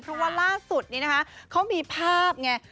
เพราะว่าล่าสุดนี้นะคะเขามีภาพไง